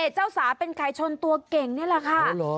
เจ้าสาเป็นไก่ชนตัวเก่งนี่แหละค่ะ